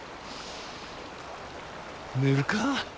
寝るか。